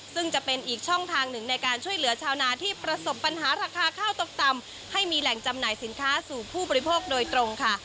ซึ่งจะเป็นอีกช่องทางหนึ่งในการช่วยเหลือชาวนาที่ประสบปัญหาราคาข้าวตกต่ำให้มีแหล่งจำหน่ายสินค้าสู่ผู้บริโภคโดยตรงค่ะ